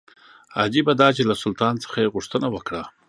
عجیبه دا چې له سلطان څخه یې غوښتنه وکړه.